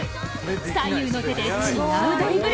左右の手で違うドリブル。